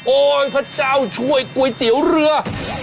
พระเจ้าช่วยก๋วยเตี๋ยวเรือ